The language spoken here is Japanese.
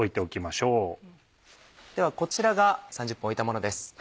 ではこちらが３０分置いたものです。